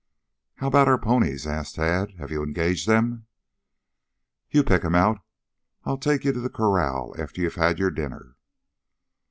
"How about our ponies?" asked Tad. "Have you engaged them?" "You pick 'em out. I'll take yon to corral after you've had your dinner."